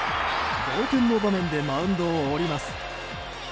同点の場面でマウンドを降ります。